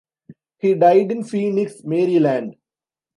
He died in Phoenix, Maryland.